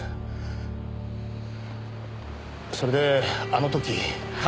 それであの時。